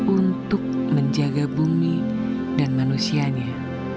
untuk menjaga bumi dan manusianya